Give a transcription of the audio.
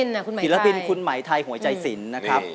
เชิญเข้ามาร้องได้ให้ร้านกับพวกเราเลยครับ